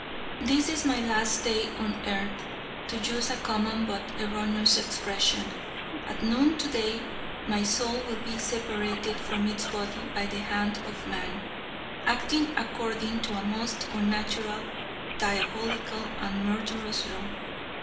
This is my last day on earth, to use a common but erroneous expression. At noon today my soul will be separated from its body by the hand of man, acting according to a most unnatural, diabolical, and murderous law.